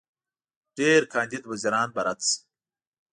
ډېر کاندید وزیران به رد شي.